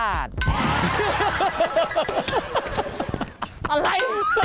อะไร